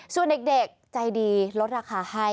ส่วนเด็กใจดีลดราคาให้